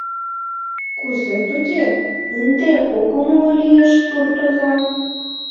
Кузе-туге? — ынде ок умыло лиеш суртоза.